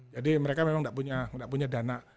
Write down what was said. jadi mereka memang gak punya gak punya dana